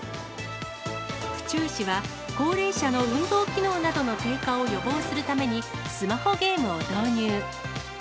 府中市は高齢者の運動機能などの低下を予防するために、スマホゲームを導入。